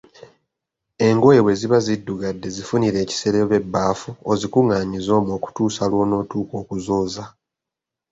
Engoye bwe ziba ziddugadde zifunire ekisero oba ebbaafu ozikunganyize omwo okutuusa lw‘onotuuka okuzooza